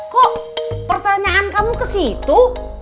kok pertanyaan kamu ke situ